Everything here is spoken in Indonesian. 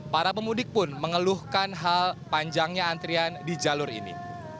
para pemudik pun mengeluhkan hal panjangnya antrian di jalur ini